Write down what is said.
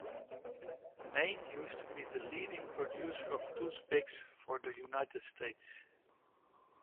Maine used to be the leading producer of toothpicks for the United States.